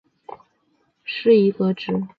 阮廷宾因筹度失宜革职。